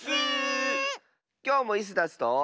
きょうもイスダスと。